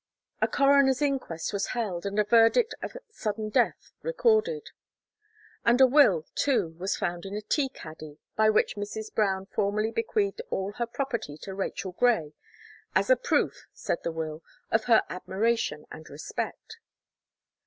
A coroner's inquest was held, and a verdict of "sudden death" recorded. And a will, too, was found in a tea caddy, by which Mrs. Brown formally bequeathed all her property to Rachel Gray, "as a proof," said the will, "of her admiration and respect."